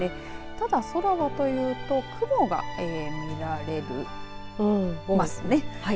ただ、空はというと雲が見られますね。